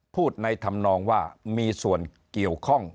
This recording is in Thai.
พูดในธรรมนองว่ามีส่วนเกี่ยวข้อง